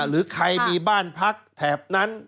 หรือใครมีบ้านพักแถบนั้น